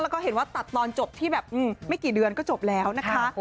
แล้วก็เห็นว่าตัดตอนจบที่แบบไม่กี่เดือนก็จบแล้วนะคะ